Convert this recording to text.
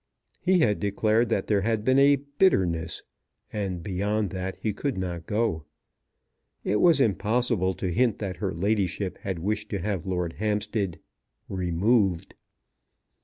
He had declared that there had been "a bitterness," and beyond that he could not go. It was impossible to hint that her ladyship had wished to have Lord Hampstead removed.